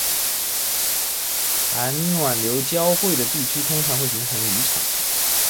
寒暖流交汇的地区通常会形成渔场